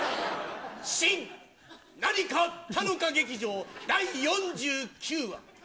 新何かあったのか劇場第４９話。